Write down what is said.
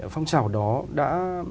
phong trào đó đã